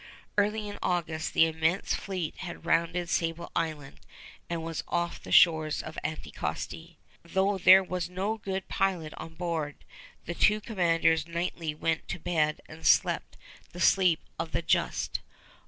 Early in August the immense fleet had rounded Sable Island and was off the shores of Anticosti. Though there was no good pilot on board, the two commanders nightly went to bed and slept the sleep of the just.